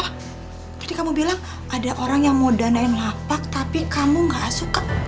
berarti kamu bilang ada orang yang mau danain lapak tapi kamu gak suka